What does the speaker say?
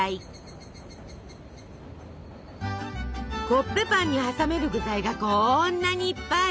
コッペパンに挟める具材がこんなにいっぱい！